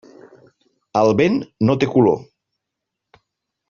El vent no té color.